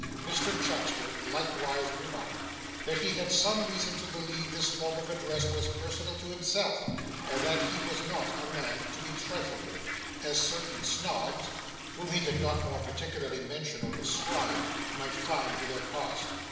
Mr Chuckster likewise remarked, that he had some reason to believe this form of address was personal to himself, and that he was not a man to be trifled with as certain snobs (whom he did not more particularly mention or describe) might find to their cost.